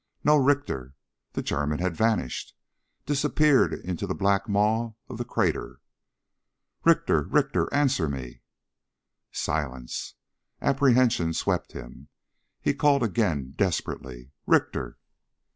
No Richter. The German had vanished ... disappeared into the black maw of the crater. "Richter! Richter, answer me...!" Silence. Apprehension swept him. He called again, desperately: "Richter!"